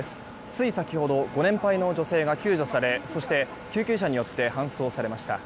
つい先ほどご年配の女性が救助されそして、救急車によって搬送されました。